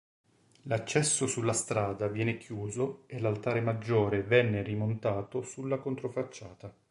L'accesso sulla strada viene chiuso e l'altare maggiore venne rimontato sulla controfacciata.